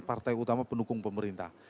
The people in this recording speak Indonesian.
partai utama pendukung pemerintah